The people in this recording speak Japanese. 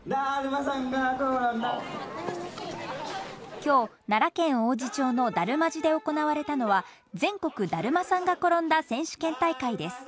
きょう、奈良県王寺町の達磨寺で行われたのは、全国だるまさんがころんだ選手権大会です。